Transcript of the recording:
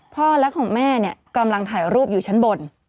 พ่อและของแม่เนี่ยกำลังถ่ายรูปอยู่ชั้นบน